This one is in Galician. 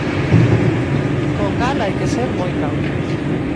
Co cal hai que ser moi cautos.